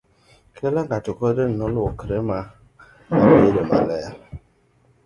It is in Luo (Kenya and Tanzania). kila ng'ato kondeni noluokre ma abedomaler